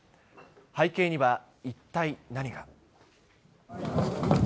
背景には、一体何が。